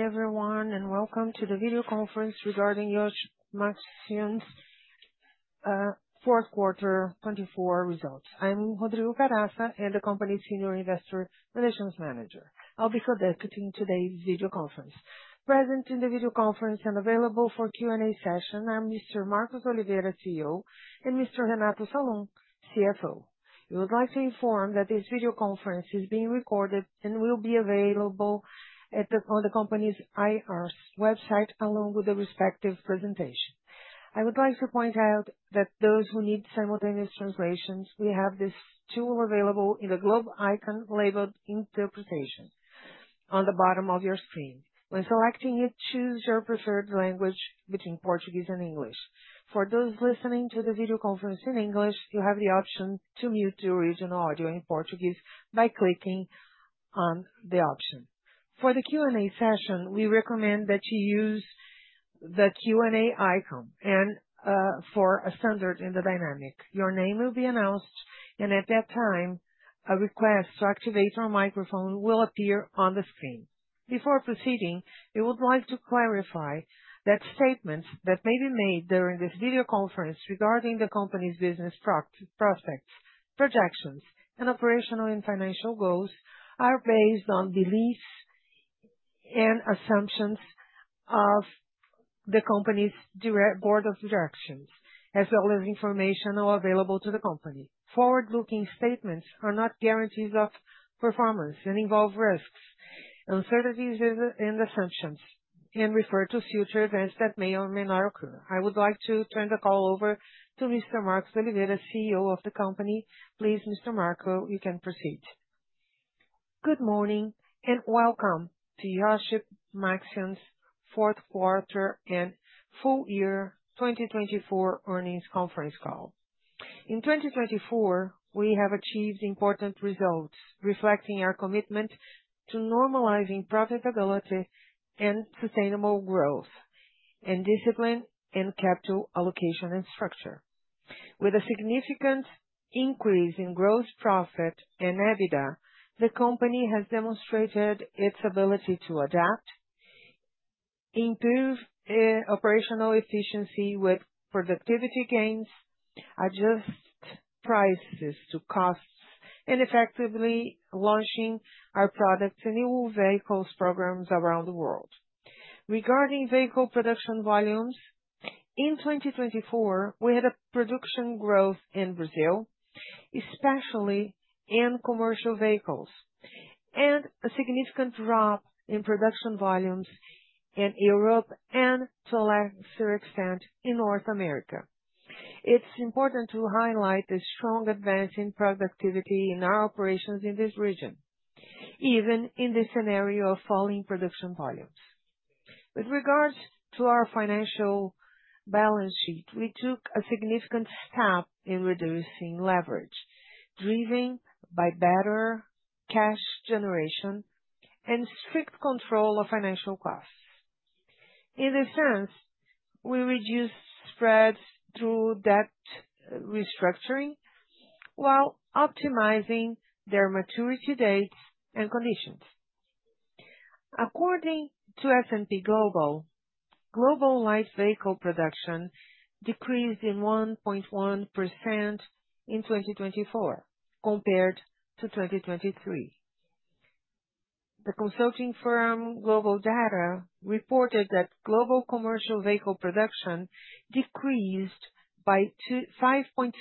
Morning, everyone, and welcome to the video conference regarding Iochpe-Maxion's fourth quarter 2024 results. I'm Rodrigo Caraça, the company's Senior Investor Relations Manager. I'll be conducting today's video conference. Present in the video conference and available for Q&A session are Mr. Marcos Oliveira, CEO, and Mr. Renato Salum, CFO. We would like to inform that this video conference is being recorded and will be available on the company's IR website along with the respective presentation. I would like to point out that those who need simultaneous translations, we have this tool available in the globe icon labeled "Interpretation" on the bottom of your screen. When selecting it, choose your preferred language between Portuguese and English. For those listening to the video conference in English, you have the option to mute the original audio in Portuguese by clicking on the option. For the Q&A session, we recommend that you use the Q&A icon for a standard in the dynamic. Your name will be announced, and at that time, a request to activate your microphone will appear on the screen. Before proceeding, we would like to clarify that statements that may be made during this video conference regarding the company's business prospects, projections, and operational and financial goals are based on beliefs and assumptions of the company's board of directors, as well as information available to the company. Forward-looking statements are not guarantees of performance and involve risks, uncertainties, and assumptions, and refer to future events that may or may not occur. I would like to turn the call over to Mr. Marcos Oliveira, CEO of the company. Please, Mr. Marcos, you can proceed. Good morning and welcome to Iochpe-Maxion's fourth quarter and full-year 2024 earnings conference call. In 2024, we have achieved important results reflecting our commitment to normalizing profitability and sustainable growth, and discipline in capital allocation and structure. With a significant increase in gross profit and EBITDA, the company has demonstrated its ability to adapt, improve operational efficiency with productivity gains, adjust prices to costs, and effectively launch our products in new vehicles programs around the world. Regarding vehicle production volumes, in 2024, we had a production growth in Brazil, especially in commercial vehicles, and a significant drop in production volumes in Europe and, to a lesser extent, in North America. It's important to highlight the strong advance in productivity in our operations in this region, even in this scenario of falling production volumes. With regards to our financial balance sheet, we took a significant step in reducing leverage, driven by better cash generation and strict control of financial costs. In this sense, we reduced spreads through debt restructuring while optimizing their maturity dates and conditions. According to S&P Global, global light vehicle production decreased in 1.1% in 2024 compared to 2023. The consulting firm GlobalData reported that global commercial vehicle production decreased by 5.2%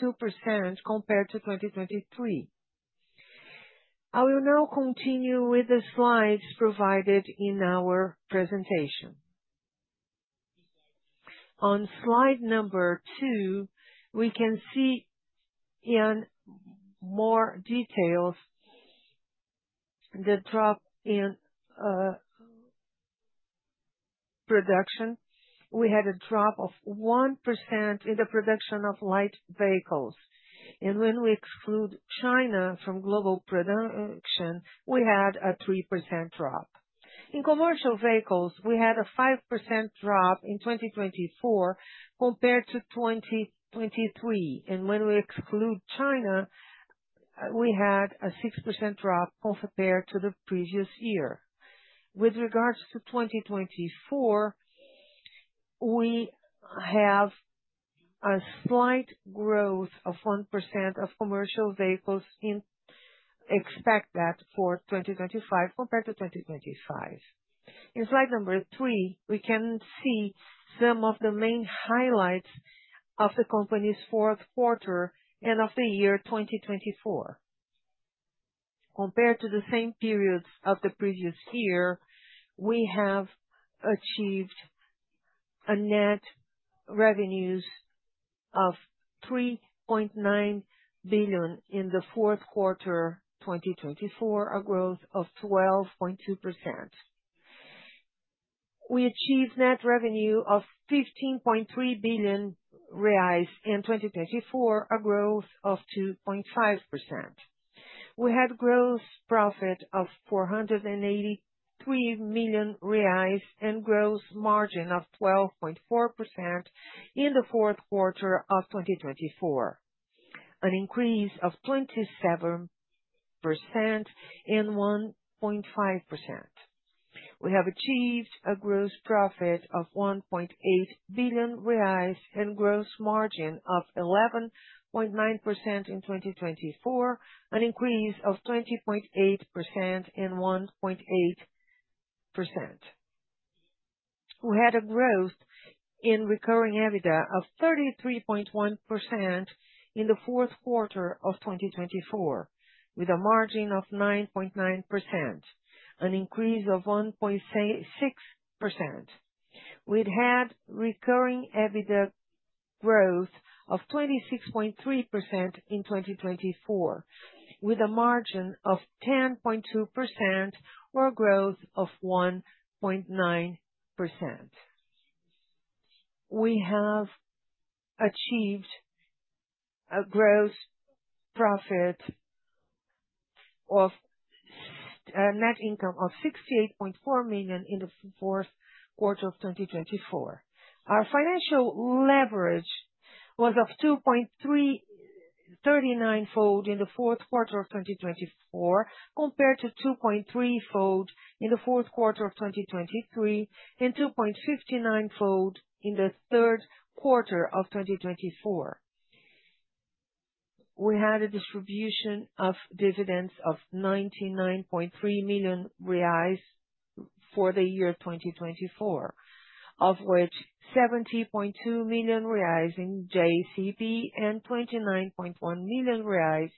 compared to 2023. I will now continue with the slides provided in our presentation. On slide number two, we can see in more detail the drop in production. We had a drop of 1% in the production of light vehicles. And when we exclude China from global production, we had a 3% drop. In commercial vehicles, we had a 5% drop in 2024 compared to 2023. And when we exclude China, we had a 6% drop compared to the previous year. With regards to 2024, we have a slight growth of 1% of commercial vehicles expected for 2025 compared to 2025. In slide number three, we can see some of the main highlights of the company's fourth quarter and of the year 2024. Compared to the same periods of the previous year, we have achieved a net revenue of 3.9 billion in the fourth quarter 2024, a growth of 12.2%. We achieved net revenue of 15.3 billion reais in 2024, a growth of 2.5%. We had gross profit of 483 million reais and gross margin of 12.4% in the fourth quarter of 2024, an increase of 27% and 1.5%. We have achieved a gross profit of 1.8 billion reais and gross margin of 11.9% in 2024, an increase of 20.8% and 1.8%. We had a growth in recurring EBITDA of 33.1% in the fourth quarter of 2024, with a margin of 9.9%, an increase of 1.6%. We had recurring EBITDA growth of 26.3% in 2024, with a margin of 10.2% or a growth of 1.9%. We have achieved a gross profit of net income of 68.4 million in the fourth quarter of 2024. Our financial leverage was of 2.39-fold in the fourth quarter of 2024, compared to 2.3-fold in the fourth quarter of 2023, and 2.59-fold in the third quarter of 2024. We had a distribution of dividends of 99.3 million reais for the year 2024, of which 70.2 million reais in JCP and 29.1 million reais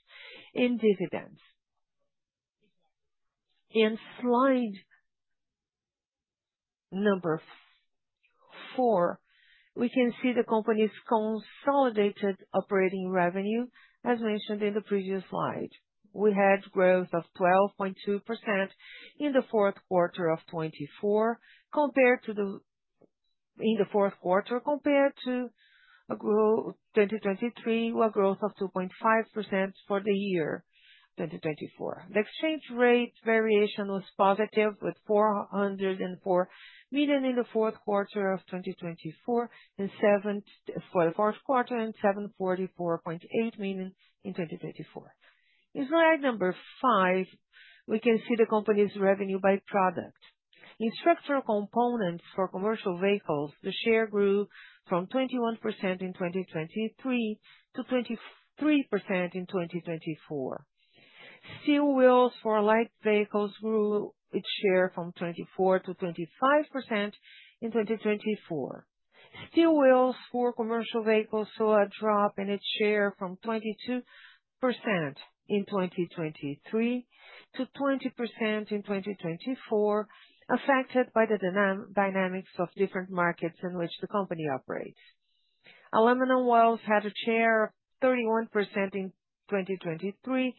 in dividends. In slide number four, we can see the company's consolidated operating revenue, as mentioned in the previous slide. We had growth of 12.2% in the fourth quarter of 2024, compared to the fourth quarter of 2023, a growth of 2.5% for the year 2024. The exchange rate variation was positive, with 404 million in the fourth quarter of 2024 and 744.8 million in 2024. In slide number five, we can see the company's revenue by product. In structural components for commercial vehicles, the share grew from 21% in 2023 to 23% in 2024. Steel wheels for light vehicles grew its share from 24% to 25% in 2024. Steel wheels for commercial vehicles saw a drop in its share from 22% in 2023 to 20% in 2024, affected by the dynamics of different markets in which the company operates. Aluminum wheels had a share of 31% in 2023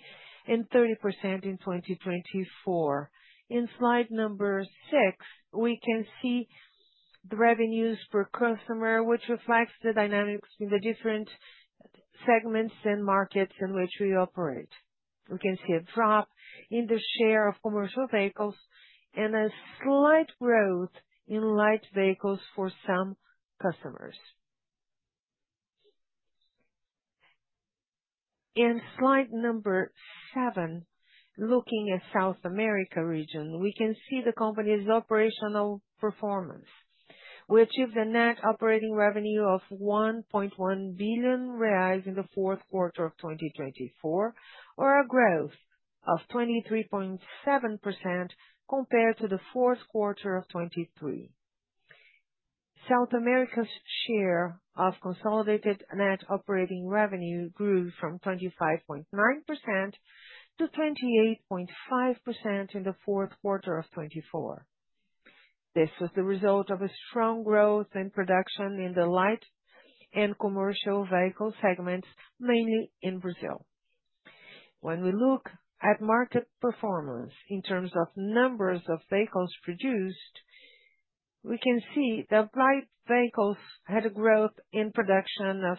and 30% in 2024. In slide number six, we can see the revenues per customer, which reflects the dynamics in the different segments and markets in which we operate. We can see a drop in the share of commercial vehicles and a slight growth in light vehicles for some customers. In slide number seven, looking at the South America region, we can see the company's operational performance. We achieved a net operating revenue of 1.1 billion reais in the fourth quarter of 2024, or a growth of 23.7% compared to the fourth quarter of 2023. South America's share of consolidated net operating revenue grew from 25.9% to 28.5% in the fourth quarter of 2024. This was the result of a strong growth in production in the light and commercial vehicle segments, mainly in Brazil. When we look at market performance in terms of numbers of vehicles produced, we can see that light vehicles had a growth in production of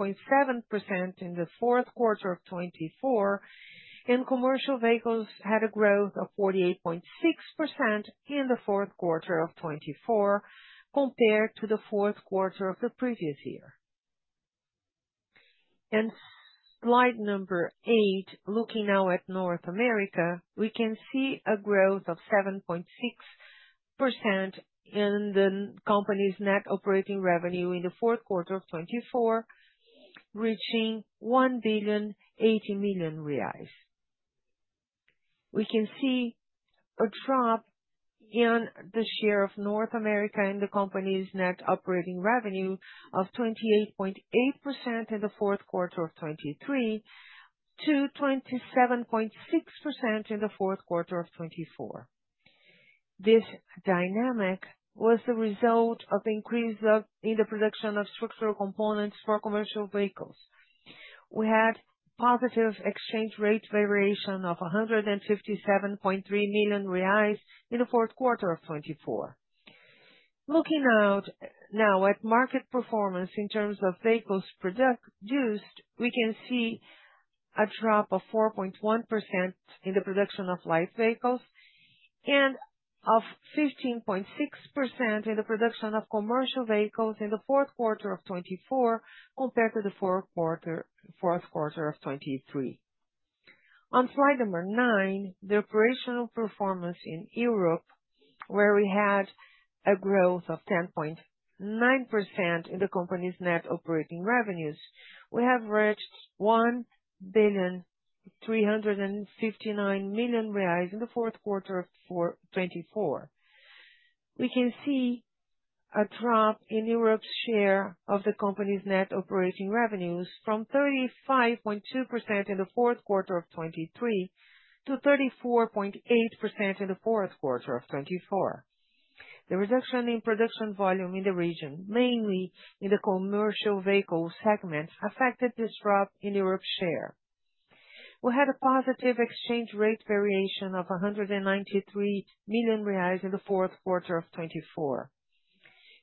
16.7% in the fourth quarter of 2024, and commercial vehicles had a growth of 48.6% in the fourth quarter of 2024, compared to the fourth quarter of the previous year. In slide number eight, looking now at North America, we can see a growth of 7.6% in the company's net operating revenue in the fourth quarter of 2024, reaching 1.08 billion. We can see a drop in the share of North America in the company's net operating revenue of 28.8% in the fourth quarter of 2023 to 27.6% in the fourth quarter of 2024. This dynamic was the result of increases in the production of structural components for commercial vehicles. We had a positive exchange rate variation of 157.3 million reais in the fourth quarter of 2024. Looking out now at market performance in terms of vehicles produced, we can see a drop of 4.1% in the production of light vehicles and of 15.6% in the production of commercial vehicles in the fourth quarter of 2024, compared to the fourth quarter of 2023. On slide number nine, the operational performance in Europe, where we had a growth of 10.9% in the company's net operating revenues, we have reached 1.359 billion in the fourth quarter of 2024. We can see a drop in Europe's share of the company's net operating revenues from 35.2% in the fourth quarter of 2023 to 34.8% in the fourth quarter of 2024. The reduction in production volume in the region, mainly in the commercial vehicle segment, affected this drop in Europe's share. We had a positive exchange rate variation of 193 million reais in the fourth quarter of 2024.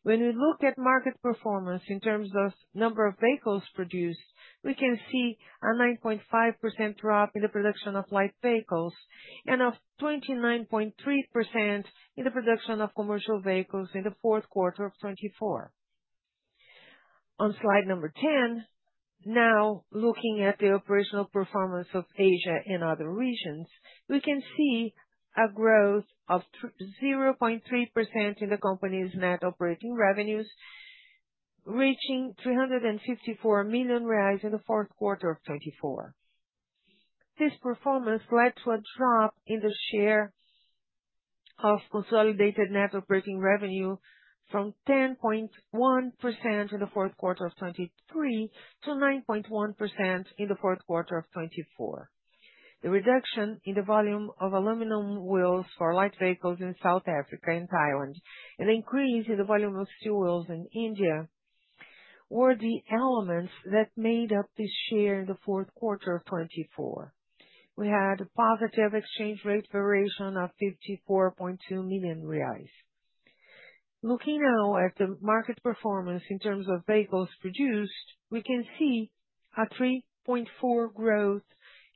When we look at market performance in terms of the number of vehicles produced, we can see a 9.5% drop in the production of light vehicles and of 29.3% in the production of commercial vehicles in the fourth quarter of 2024. On slide number ten, now looking at the operational performance of Asia and other regions, we can see a growth of 0.3% in the company's net operating revenues, reaching 354 million reais in the fourth quarter of 2024. This performance led to a drop in the share of consolidated net operating revenue from 10.1% in the fourth quarter of 2023 to 9.1% in the fourth quarter of 2024. The reduction in the volume of aluminum wheels for light vehicles in South Africa and Thailand, and the increase in the volume of steel wheels in India, were the elements that made up this share in the fourth quarter of 2024. We had a positive exchange rate variation of 54.2 million reais. Looking now at the market performance in terms of vehicles produced, we can see a 3.4% growth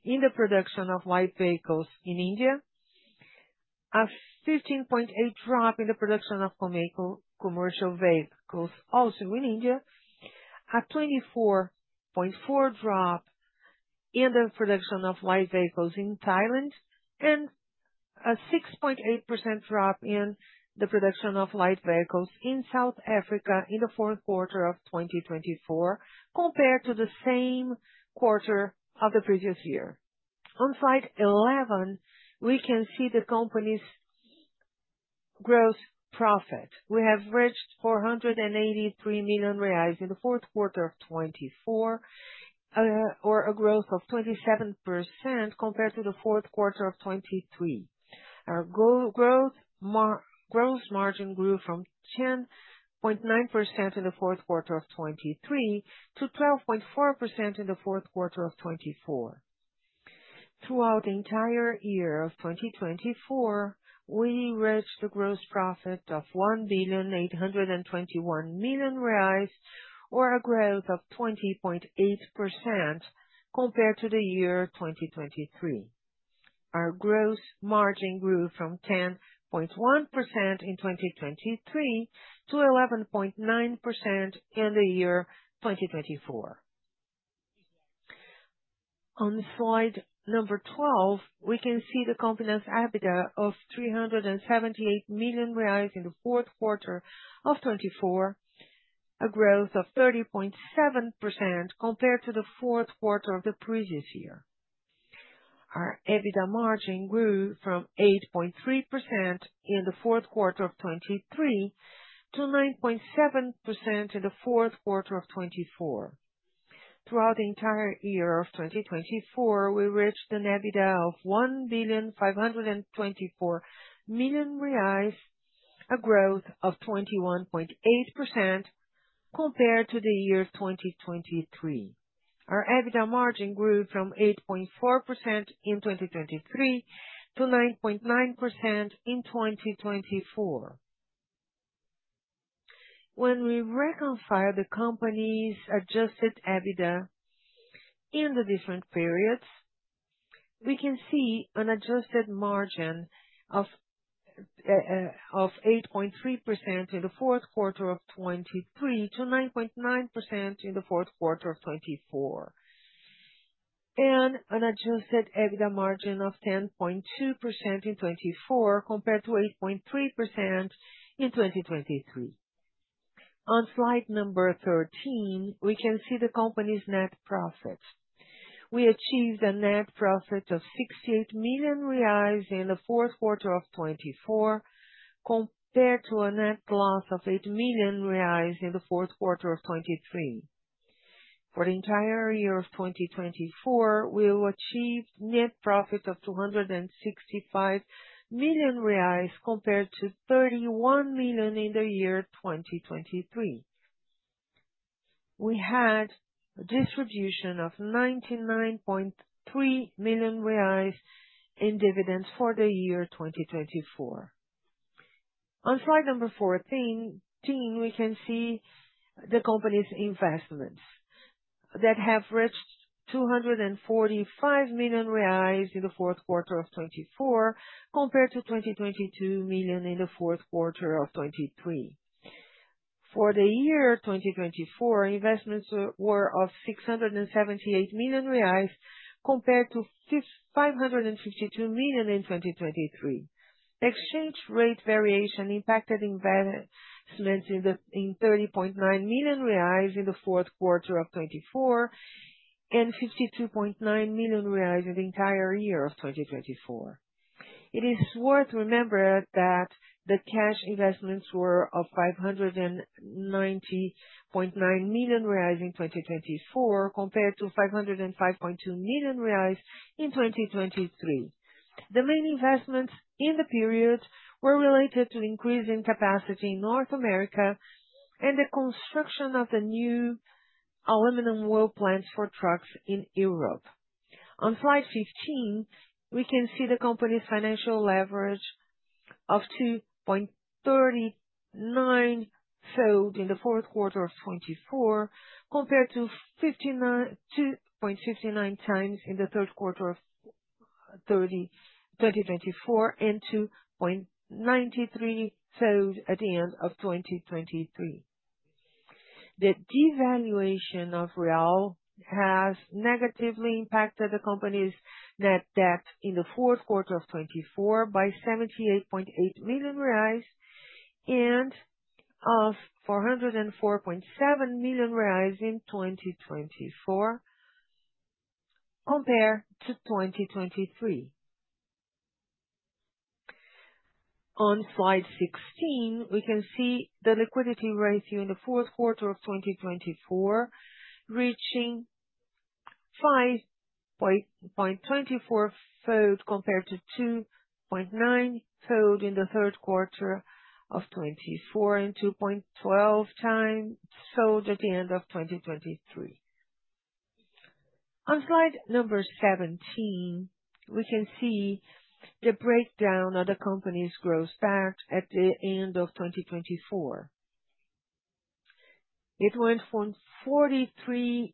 in the production of light vehicles in India, a 15.8% drop in the production of commercial vehicles also in India, a 24.4% drop in the production of light vehicles in Thailand, and a 6.8% drop in the production of light vehicles in South Africa in the fourth quarter of 2024, compared to the same quarter of the previous year. On slide 11, we can see the company's gross profit. We have reached 483 million reais in the fourth quarter of 2024, or a growth of 27% compared to the fourth quarter of 2023. Our gross margin grew from 10.9% in the fourth quarter of 2023 to 12.4% in the fourth quarter of 2024. Throughout the entire year of 2024, we reached a gross profit of 1 billion reais 821 million, or a growth of 20.8% compared to the year 2023. Our gross margin grew from 10.1% in 2023 to 11.9% in the year 2024. On slide number 12, we can see the company's EBITDA of 378 million reais in the fourth quarter of 2024, a growth of 30.7% compared to the fourth quarter of the previous year. Our EBITDA margin grew from 8.3% in the fourth quarter of 2023 to 9.7% in the fourth quarter of 2024. Throughout the entire year of 2024, we reached an EBITDA of one billion 524 million, a growth of 21.8% compared to the year 2023. Our EBITDA margin grew from 8.4% in 2023 to 9.9% in 2024. When we reconcile the company's adjusted EBITDA in the different periods, we can see an adjusted margin of 8.3% in the fourth quarter of 2023 to 9.9% in the fourth quarter of 2024, and an adjusted EBITDA margin of 10.2% in 2024 compared to 8.3% in 2023. On slide number 13, we can see the company's net profit. We achieved a net profit of 68 million reais in the fourth quarter of 2024, compared to a net loss of 8 million reais in the fourth quarter of 2023. For the entire year of 2024, we achieved a net profit of 265 million reais compared to 31 million in the year 2023. We had a distribution of 99.3 million reais in dividends for the year 2024. On slide number 14, we can see the company's investments that have reached 245 million reais in the fourth quarter of 2024, compared to 202 million in the fourth quarter of 2023. For the year 2024, investments were of 678 million reais compared to 552 million in 2023. Exchange rate variation impacted investments in 30.9 million reais in the fourth quarter of 2024 and 52.9 million reais in the entire year of 2024. It is worth remembering that the cash investments were of 590.9 million reais in 2024, compared to 505.2 million reais in 2023. The main investments in the period were related to increasing capacity in North America and the construction of the new aluminum wheel plants for trucks in Europe. On slide 15, we can see the company's financial leverage of 2.39 fold in the fourth quarter of 2024, compared to 2.59 times in the third quarter of 2024 and 2.93 fold at the end of 2023. The devaluation of Real has negatively impacted the company's net debt in the fourth quarter of 2024 by 78.8 million reais and of 404.7 million reais in 2024, compared to 2023. On slide 16, we can see the liquidity ratio in the fourth quarter of 2024 reaching 5.24 fold compared to 2.9 fold in the third quarter of 2024 and 2.12 times fold at the end of 2023. On slide number 17, we can see the breakdown of the company's gross debt at the end of 2024. It went from 43.3%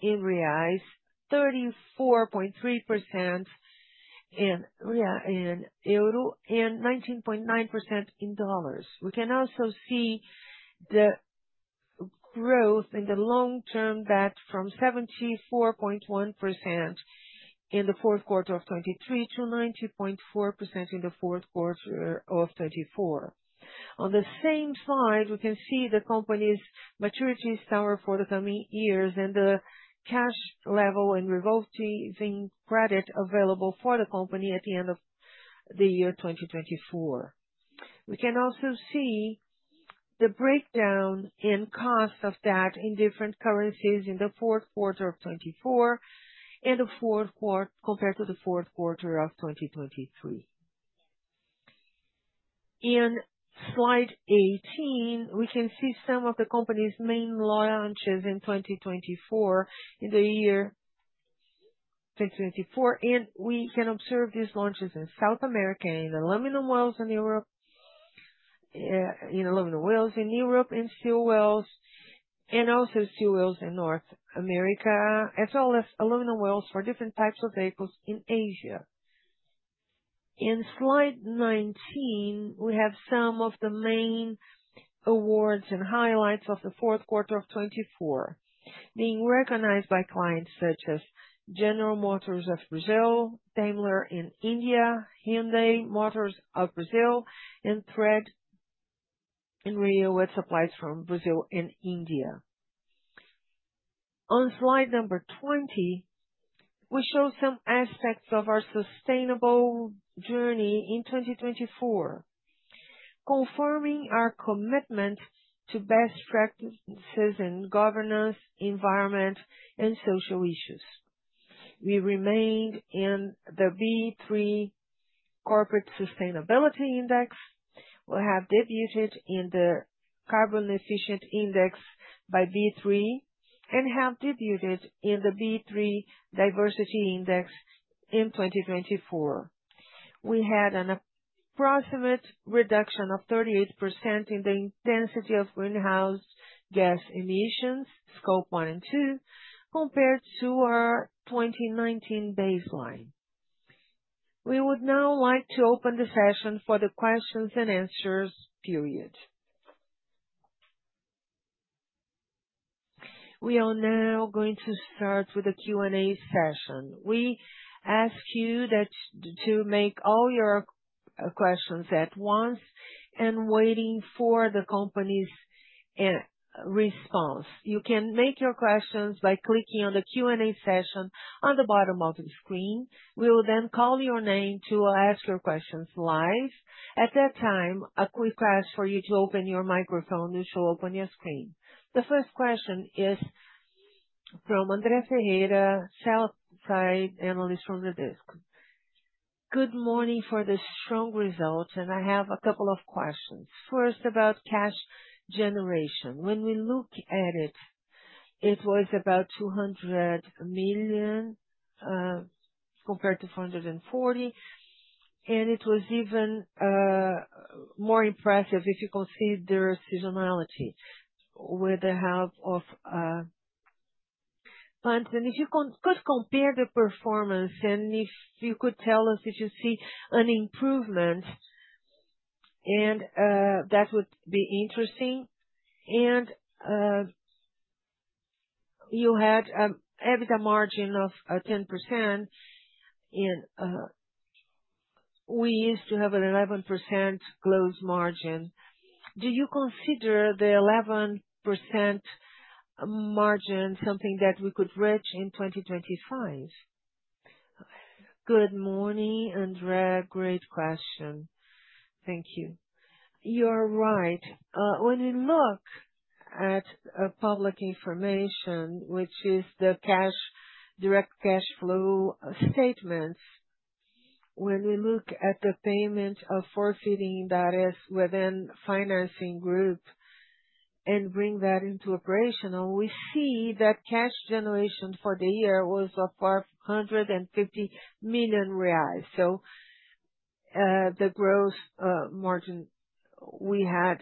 in Reais, 34.3% in Euros, and 19.9% in Dollars. We can also see the growth in the long-term debt from 74.1% in the fourth quarter of 2023 to 90.4% in the fourth quarter of 2024. On the same slide, we can see the company's maturity score for the coming years and the cash level and revolving credit available for the company at the end of the year 2024. We can also see the breakdown in cost of debt in different currencies in the fourth quarter of 2024 and the fourth quarter compared to the fourth quarter of 2023. In slide 18, we can see some of the company's main launches in 2024 in the year 2024, and we can observe these launches in South America in aluminum wheels in Europe, in aluminum wheels in Europe in steel wheels, and also steel wheels in North America, as well as aluminum wheels for different types of vehicles in Asia. In slide 19, we have some of the main awards and highlights of the fourth quarter of 2024 being recognized by clients such as General Motors of Brazil, Daimler in India, Hyundai Motors of Brazil, and Traton in Rio with supplies from Brazil and India. On slide number 20, we show some aspects of our sustainable journey in 2024, confirming our commitment to best practices in governance, environment, and social issues. We remained in the B3 Corporate Sustainability Index, we have debuted in the Carbon Efficient Index by B3, and have debuted in the B3 Diversity Index in 2024. We had an approximate reduction of 38% in the intensity of greenhouse gas emissions, Scope 1 and 2, compared to our 2019 baseline. We would now like to open the session for the questions and answers period. We are now going to start with the Q&A session. We ask you to make all your questions at once and wait for the company's response. You can make your questions by clicking on the Q&A session on the bottom of the screen. We will then call your name to ask your questions live. At that time, a quick ask for you to open your microphone to show up on your screen. The first question is from Andréa Ferreira, analyst from Bradesco BBI. Good morning for the strong results, and I have a couple of questions. First, about cash generation. When we look at it, it was about 200 million compared to 440 million, and it was even more impressive if you consider seasonality with the shutdown of plants. And if you could compare the performance, and if you could tell us if you see an improvement, that would be interesting. You had an EBITDA margin of 10%, and we used to have an 11% gross margin. Do you consider the 11% margin something that we could reach in 2025? Good morning, Andréa. Great question. Thank you. You are right. When we look at public information, which is the direct cash flow statements, when we look at the payment of forfaiting that is within financing group and bring that into operational, we see that cash generation for the year was 450 million BRL. So the gross margin we had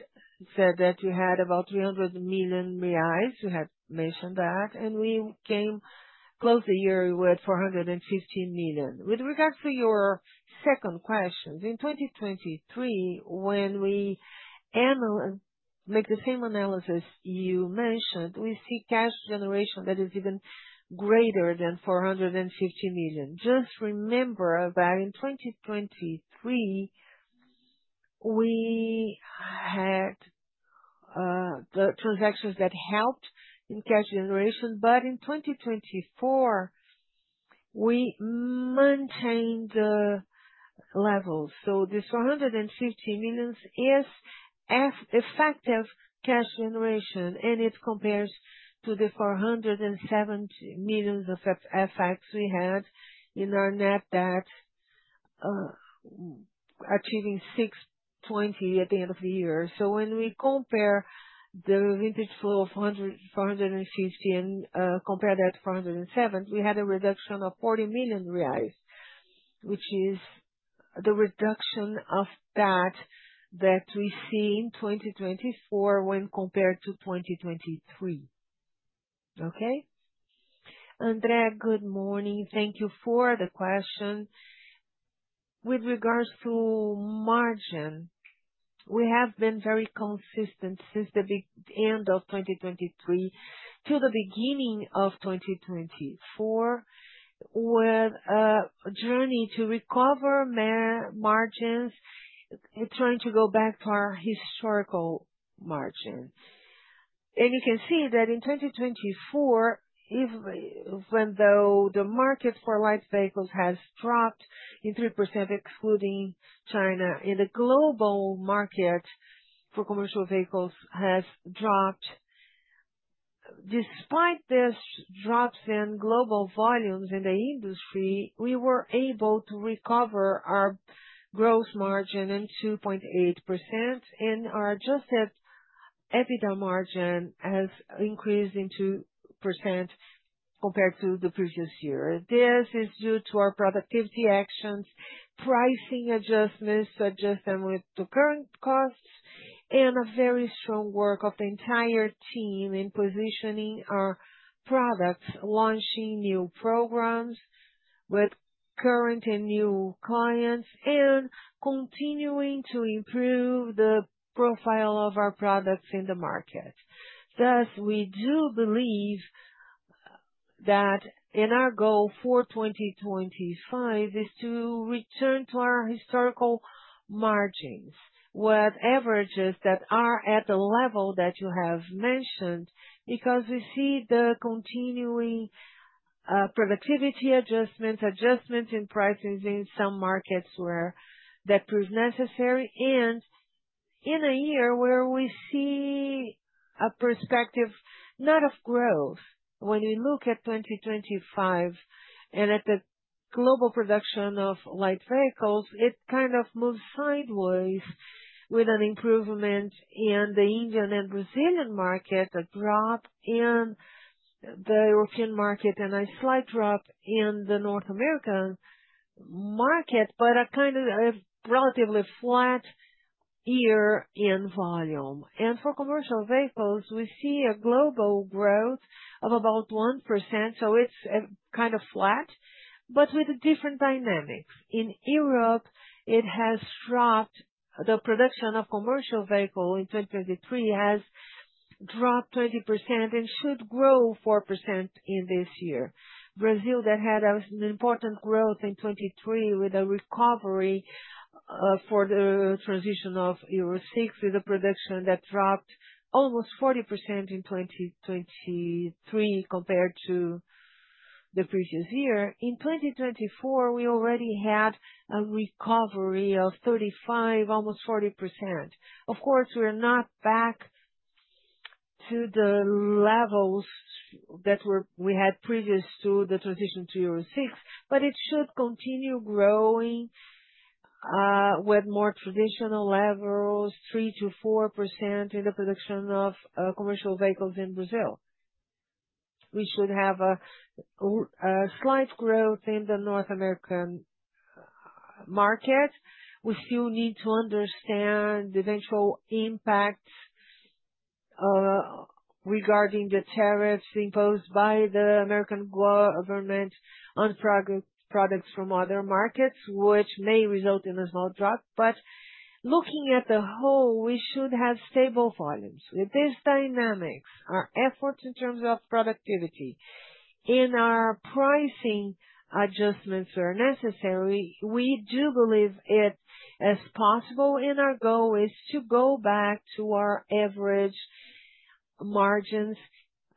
said that we had about 300 million reais. We had mentioned that, and we came close to the year with 450 million. With regards to your second question, in 2023, when we make the same analysis you mentioned, we see cash generation that is even greater than 450 million. Just remember that in 2023, we had the transactions that helped in cash generation, but in 2024, we maintained the level. So the 450 million is effective cash generation, and it compares to the 470 million of effects we had in our net debt achieving 620 million at the end of the year. So when we compare the vintage flow of 450 million and compare that to 407 million, we had a reduction of 40 million reais, which is the reduction of that we see in 2024 when compared to 2023. Okay? Andréa, good morning. Thank you for the question. With regards to margin, we have been very consistent since the end of 2023 to the beginning of 2024 with a journey to recover margins, trying to go back to our historical margin. You can see that in 2024, even though the market for light vehicles has dropped by 3%, excluding China, and the global market for commercial vehicles has dropped, despite these drops in global volumes in the industry, we were able to recover our gross margin by 2.8%, and our adjusted EBITDA margin has increased by 2% compared to the previous year. This is due to our productivity actions, pricing adjustments to adjust them with the current costs, and a very strong work of the entire team in positioning our products, launching new programs with current and new clients, and continuing to improve the profile of our products in the market. Thus, we do believe that in our goal for 2025 is to return to our historical margins with averages that are at the level that you have mentioned because we see the continuing productivity adjustments, adjustments in prices in some markets where that proved necessary, and in a year where we see a perspective not of growth, when we look at 2025 and at the global production of light vehicles, it kind of moves sideways with an improvement in the Indian and Brazilian market, a drop in the European market, and a slight drop in the North American market, but a kind of relatively flat year in volume, and for commercial vehicles, we see a global growth of about 1%, so it's kind of flat, but with different dynamics. In Europe, it has dropped. The production of commercial vehicles in 2023 has dropped 20% and should grow 4% in this year. Brazil that had an important growth in 2023 with a recovery for the transition of Euro 6, with a production that dropped almost 40% in 2023 compared to the previous year. In 2024, we already had a recovery of 35, almost 40%. Of course, we are not back to the levels that we had previous to the transition to Euro 6, but it should continue growing with more traditional levels, 3 to 4% in the production of commercial vehicles in Brazil. We should have a slight growth in the North American market. We still need to understand the eventual impacts regarding the tariffs imposed by the American government on products from other markets, which may result in a small drop. But looking at the whole, we should have stable volumes. With these dynamics, our efforts in terms of productivity and our pricing adjustments are necessary. We do believe it is possible, and our goal is to go back to our average margins,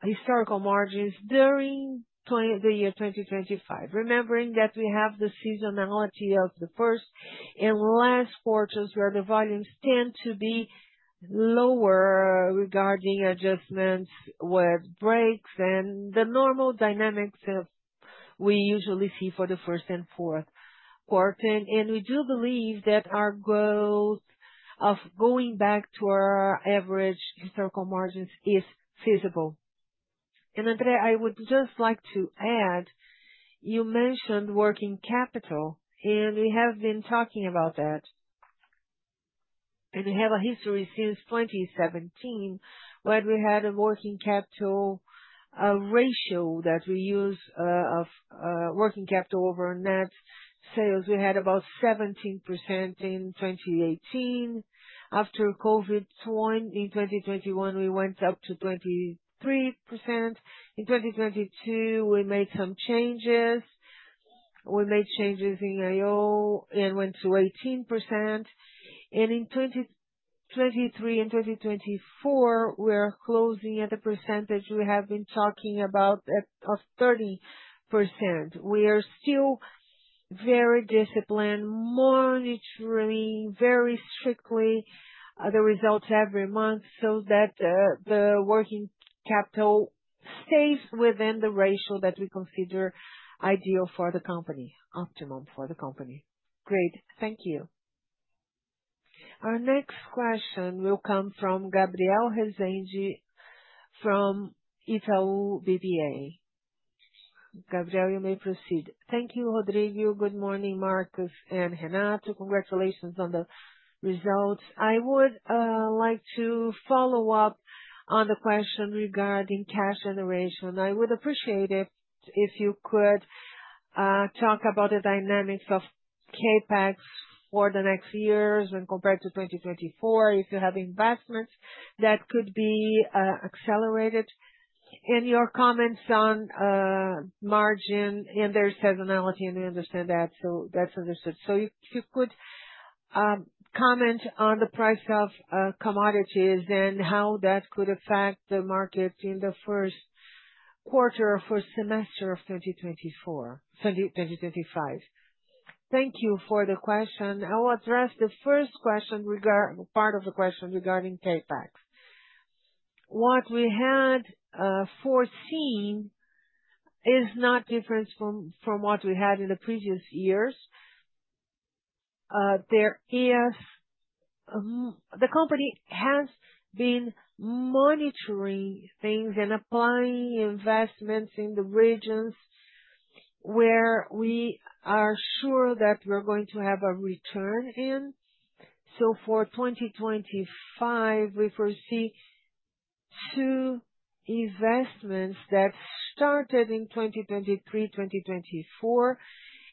historical margins during the year 2025. Remembering that we have the seasonality of the first and last quarters, where the volumes tend to be lower regarding adjustments with breaks and the normal dynamics we usually see for the first and fourth quarter, and we do believe that our goal of going back to our average historical margins is feasible, and Andréa, I would just like to add, you mentioned working capital, and we have been talking about that, and we have a history since 2017 where we had a working capital ratio that we use of working capital over net sales. We had about 17% in 2018. After COVID in 2021, we went up to 23%. In 2022, we made some changes. We made changes in IO and went to 18%, and in 2023 and 2024, we are closing at the percentage we have been talking about of 30%. We are still very disciplined, monitoring very strictly the results every month so that the working capital stays within the ratio that we consider ideal for the company, optimum for the company. Great. Thank you. Our next question will come from Gabriel Rezende from Itaú BBA. Gabriel, you may proceed. Thank you, Rodrigo. Good morning, Marcos and Renato. Congratulations on the results. I would like to follow up on the question regarding cash generation. I would appreciate it if you could talk about the dynamics of Capex for the next years when compared to 2024, if you have investments that could be accelerated. Your comments on margin and their seasonality, and we understand that, so that's understood. If you could comment on the price of commodities and how that could affect the market in the first quarter or first semester of 2024. Sorry, 2025. Thank you for the question. I will address the first question, part of the question regarding CapEx. What we had foreseen is not different from what we had in the previous years. The company has been monitoring things and applying investments in the regions where we are sure that we're going to have a return in. For 2025, we foresee two investments that started in 2023, 2024,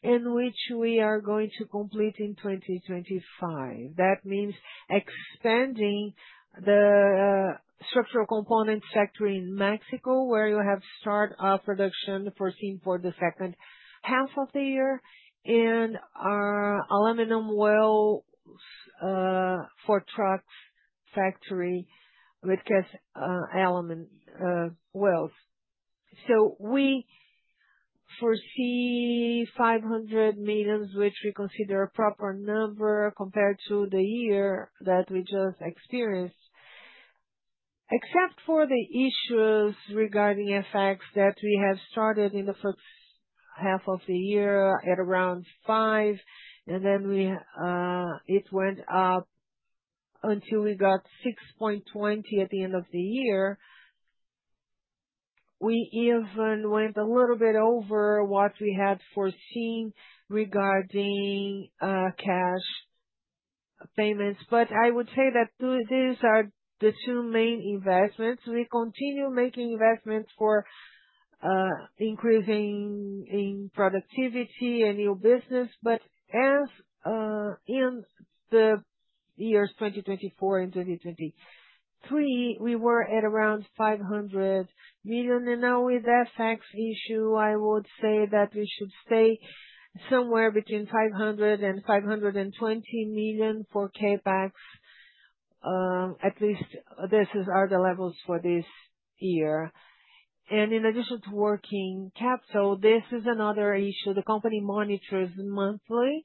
and which we are going to complete in 2025. That means expanding the structural components factory in Mexico, where you have started production foreseen for the second half of the year, and our aluminum wheels for trucks factory with aluminum wheels. So we foresee 500 million, which we consider a proper number compared to the year that we just experienced, except for the issues regarding FX that we have started in the first half of the year at around 5, and then it went up until we got 6.20 at the end of the year. We even went a little bit over what we had foreseen regarding cash payments, but I would say that these are the two main investments. We continue making investments for increasing productivity and new business, but as in the years 2024 and 2023, we were at around 500 million. And now with FX issue, I would say that we should stay somewhere between 500 million and 520 million for CapEx. At least this is our levels for this year. And in addition to working capital, this is another issue. The company monitors monthly,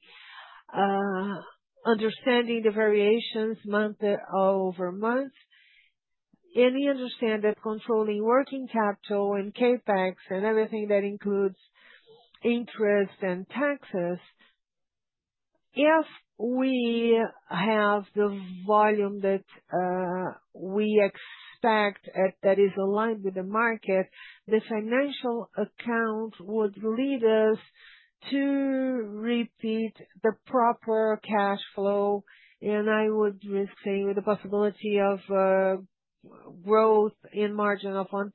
understanding the variations month over month. And we understand that controlling working capital and CapEx and everything that includes interest and taxes, if we have the volume that we expect that is aligned with the market, the financial account would lead us to repeat the proper cash flow. And I would risk saying with the possibility of growth in margin of 1%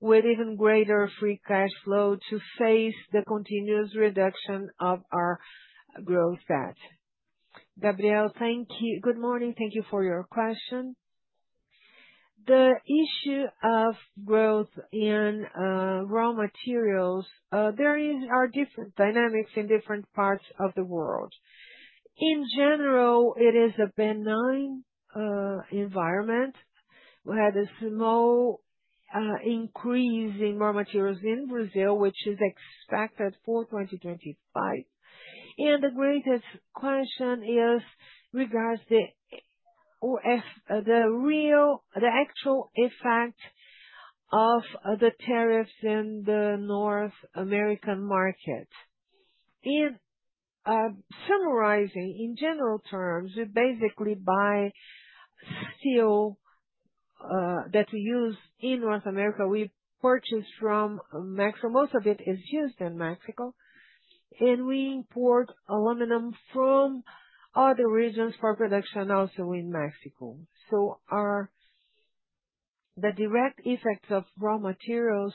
with even greater free cash flow to face the continuous reduction of our growth stats. Gabriel, thank you. Good morning. Thank you for your question. The issue of growth in raw materials, there are different dynamics in different parts of the world. In general, it is a benign environment. We had a small increase in raw materials in Brazil, which is expected for 2025, and the greatest question is with regard to the actual effect of the tariffs in the North American market. In summarizing, in general terms, we basically buy steel that we use in North America. We purchase from Mexico. Most of it is used in Mexico, and we import aluminum from other regions for production also in Mexico. The direct effects of raw materials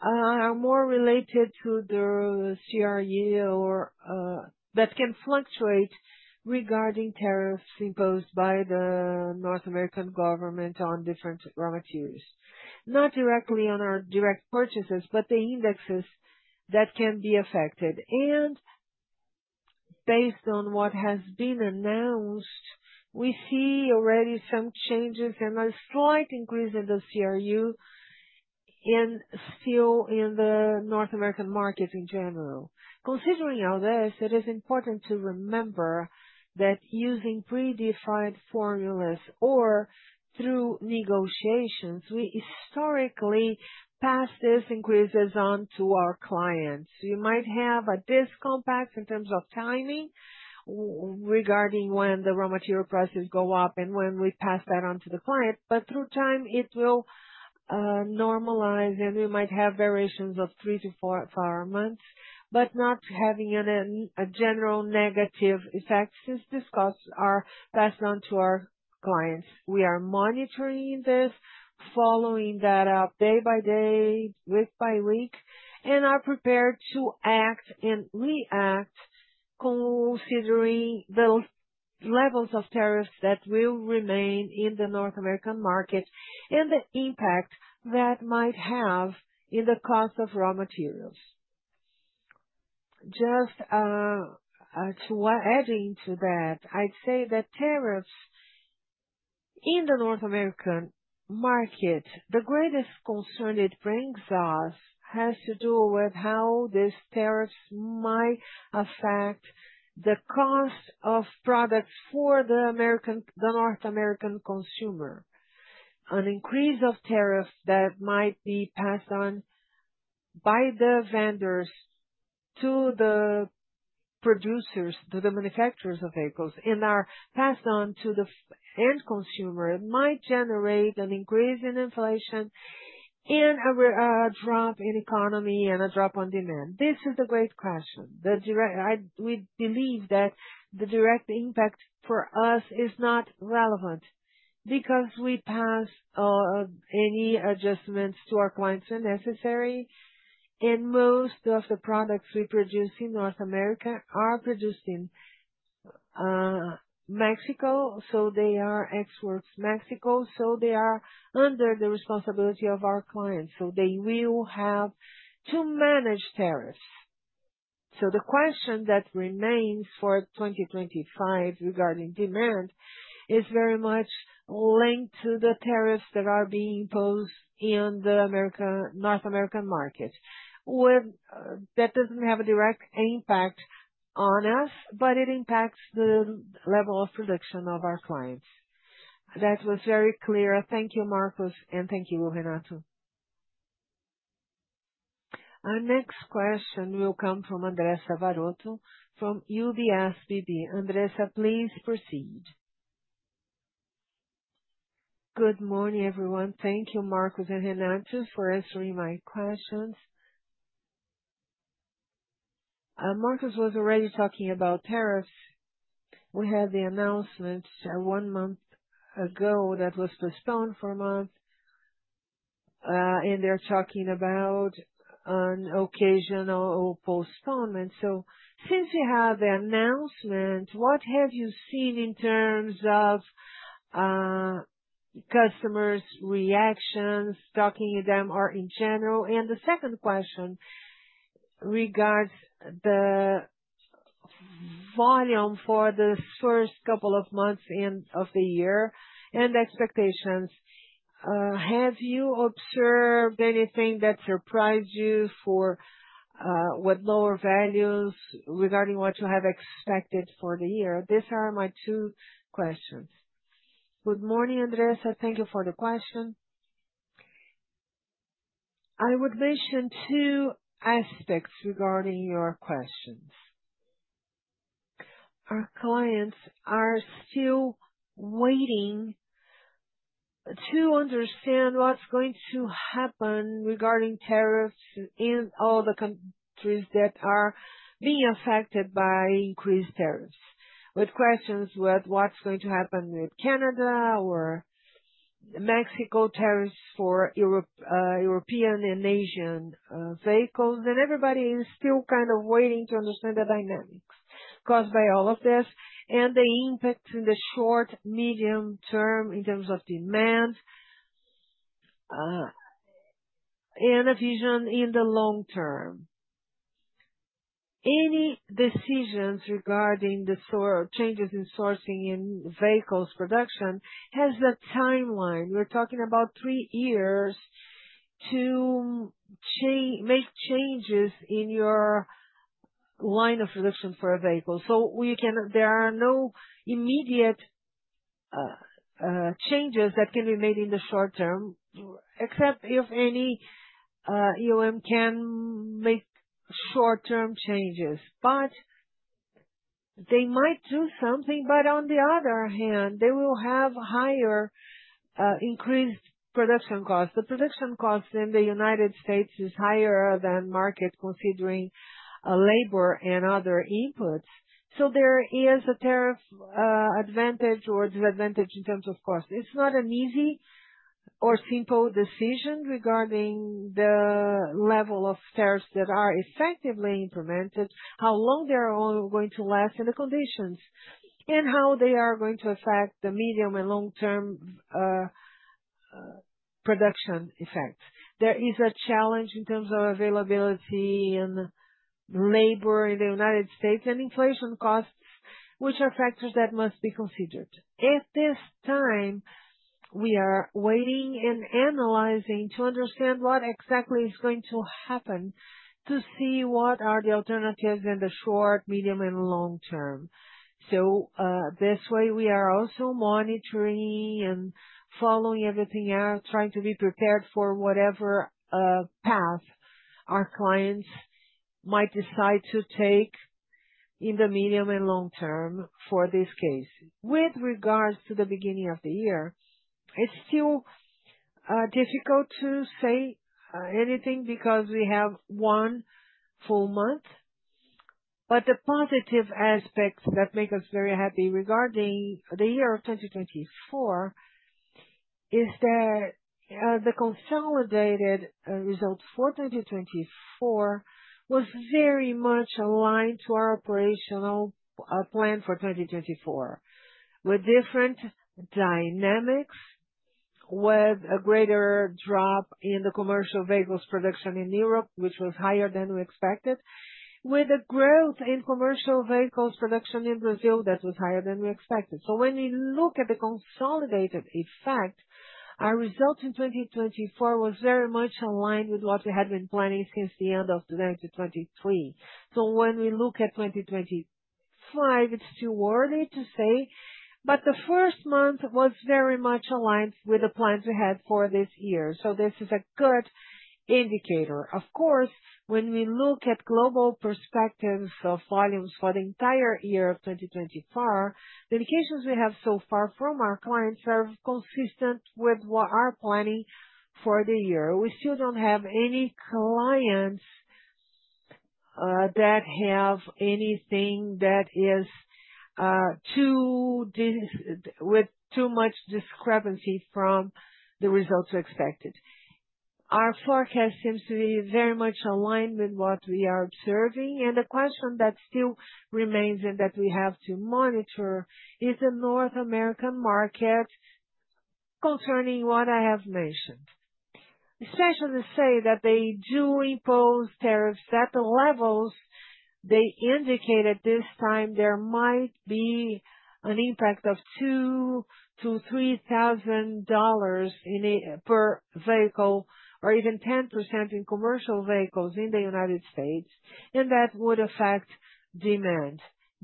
are more related to the CRU that can fluctuate regarding tariffs imposed by the North American government on different raw materials. Not directly on our direct purchases, but the indexes that can be affected. Based on what has been announced, we see already some changes and a slight increase in the CRU and steel in the North American market in general. Considering all this, it is important to remember that using predefined formulas or through negotiations, we historically pass these increases on to our clients. You might have a disconnect in terms of timing regarding when the raw material prices go up and when we pass that on to the client, but over time, it will normalize, and we might have variations of three to four months, but not having a general negative effect since these costs are passed on to our clients. We are monitoring this, following that up day by day, week by week, and are prepared to act and react considering the levels of tariffs that will remain in the North American market and the impact that might have in the cost of raw materials. Just to add into that, I'd say that tariffs in the North American market, the greatest concern it brings us has to do with how these tariffs might affect the cost of products for the North American consumer. An increase of tariffs that might be passed on by the vendors to the producers, to the manufacturers of vehicles, and are passed on to the end consumer might generate an increase in inflation and a drop in economy and a drop on demand. This is the great question. We believe that the direct impact for us is not relevant because we pass any adjustments to our clients when necessary, and most of the products we produce in North America are produced in Mexico, so they are exports Mexico, so they are under the responsibility of our clients, so they will have to manage tariffs. So the question that remains for 2025 regarding demand is very much linked to the tariffs that are being imposed in the North American market. That doesn't have a direct impact on us, but it impacts the level of production of our clients. That was very clear. Thank you, Marcos, and thank you, Renato. Our next question will come from Andressa Varotto from UBS BB. Andressa, please proceed. Good morning, everyone. Thank you, Marcos and Renato, for answering my questions. Marcos was already talking about tariffs. We had the announcement one month ago that was postponed for a month, and they're talking about an occasional postponement. So since you have the announcement, what have you seen in terms of customers' reactions, talking to them or in general? And the second question regards the volume for the first couple of months of the year and expectations. Have you observed anything that surprised you with lower values regarding what you have expected for the year? These are my two questions. Good morning, Andressa. Thank you for the question. I would mention two aspects regarding your questions. Our clients are still waiting to understand what's going to happen regarding tariffs in all the countries that are being affected by increased tariffs. With questions with what's going to happen with Canada or Mexico tariffs for European and Asian vehicles, and everybody is still kind of waiting to understand the dynamics caused by all of this and the impact in the short, medium term in terms of demand and a vision in the long term. Any decisions regarding the changes in sourcing in vehicles production has a timeline. We're talking about three years to make changes in your line of production for a vehicle. There are no immediate changes that can be made in the short term, except if any OEM can make short-term changes. But they might do something, but on the other hand, they will have higher increased production costs. The production cost in the United States is higher than market considering labor and other inputs. There is a tariff advantage or disadvantage in terms of cost. It's not an easy or simple decision regarding the level of tariffs that are effectively implemented, how long they are going to last in the conditions, and how they are going to affect the medium and long-term production effects. There is a challenge in terms of availability and labor in the United States and inflation costs, which are factors that must be considered. At this time, we are waiting and analyzing to understand what exactly is going to happen to see what are the alternatives in the short, medium, and long term, so this way, we are also monitoring and following everything out, trying to be prepared for whatever path our clients might decide to take in the medium and long term for this case. With regards to the beginning of the year, it's still difficult to say anything because we have one full month, but the positive aspects that make us very happy regarding the year of 2024 is that the consolidated results for 2024 were very much aligned to our operational plan for 2024, with different dynamics, with a greater drop in the commercial vehicles production in Europe, which was higher than we expected, with a growth in commercial vehicles production in Brazil that was higher than we expected. So when we look at the consolidated effect, our result in 2024 was very much aligned with what we had been planning since the end of 2023. So when we look at 2025, it's too early to say, but the first month was very much aligned with the plans we had for this year. So this is a good indicator. Of course, when we look at global perspectives of volumes for the entire year of 2024, the indications we have so far from our clients are consistent with what our planning for the year. We still don't have any clients that have anything that is with too much discrepancy from the results we expected. Our forecast seems to be very much aligned with what we are observing. And the question that still remains and that we have to monitor is the North American market concerning what I have mentioned. Specialists say that they do impose tariffs at the levels they indicate at this time. There might be an impact of $2,000-$3,000 per vehicle or even 10% in commercial vehicles in the United States, and that would affect demand.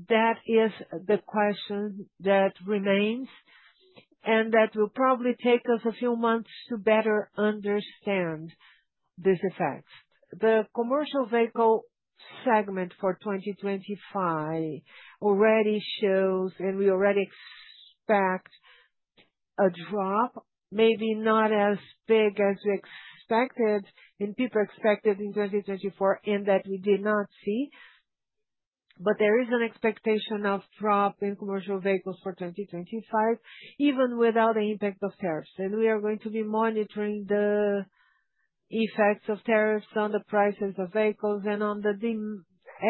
That is the question that remains and that will probably take us a few months to better understand these effects. The commercial vehicle segment for 2025 already shows, and we already expect a drop, maybe not as big as we expected and people expected in 2024, and that we did not see. But there is an expectation of drop in commercial vehicles for 2025, even without the impact of tariffs. We are going to be monitoring the effects of tariffs on the prices of vehicles and on the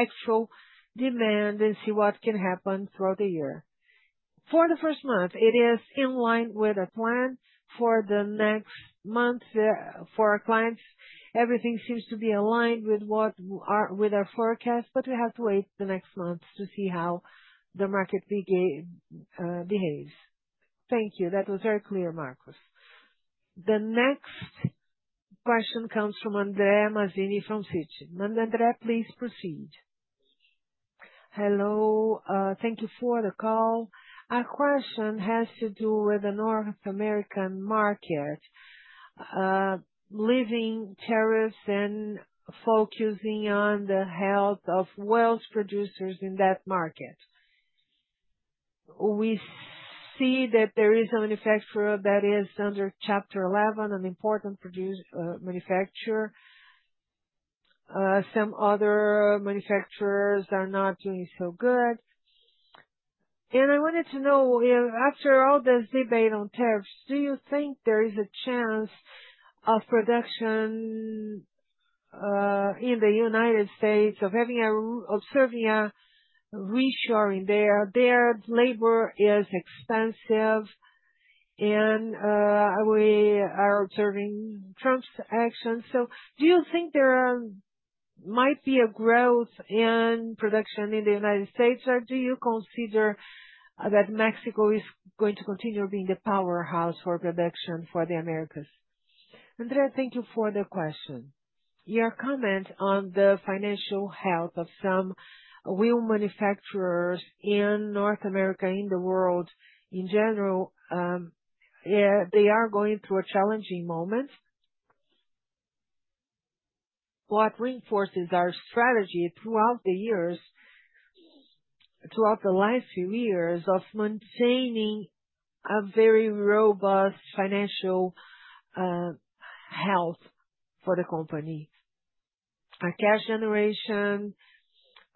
actual demand and see what can happen throughout the year. For the first month, it is in line with a plan for the next month for our clients. Everything seems to be aligned with our forecast, but we have to wait the next month to see how the market behaves. Thank you. That was very clear, Marcos. The next question comes from André Mazini from Citi. And André, please proceed. Hello. Thank you for the call. Our question has to do with the North American market, leaving tariffs and focusing on the health of wheel producers in that market. We see that there is a manufacturer that is under Chapter 11, an important manufacturer. Some other manufacturers are not doing so good. And I wanted to know, after all this debate on tariffs, do you think there is a chance of production in the United States of observing a reshoring there? Their labor is expensive, and we are observing Trump's actions. So do you think there might be a growth in production in the United States, or do you consider that Mexico is going to continue being the powerhouse for production for the Americas? André, thank you for the question. Your comment on the financial health of some wheel manufacturers in North America, in the world in general, they are going through a challenging moment. What reinforces our strategy throughout the years, throughout the last few years of maintaining a very robust financial health for the company? Our cash generation,